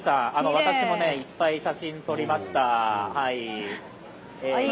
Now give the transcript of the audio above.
私もいっぱい写真撮りました。